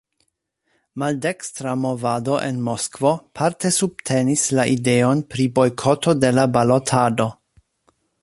Maldekstra movado en Moskvo parte subtenis la ideon pri bojkoto de la balotado.